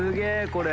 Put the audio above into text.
これ。